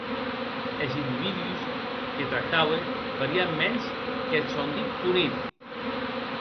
Es individús que tractaue valien mens qu’eth sòn dit ponin.